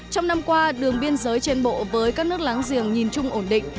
trong năm qua đường biên giới trên bộ với các nước láng giềng nhìn chung ổn định